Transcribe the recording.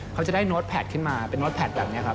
เขาจะได้โน้ตแพทขึ้นมาเป็นโน้ตแพทแบบนี้ครับ